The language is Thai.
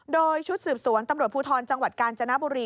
โดยชุดสืบสวนตำรวจภูทรจังหวัดกาญจนบุรี